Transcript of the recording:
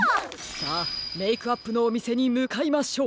さあメイクアップのおみせにむかいましょう！